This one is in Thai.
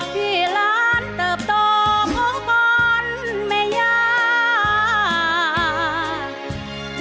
ที่ร้านเติบโตของคนแม่ยา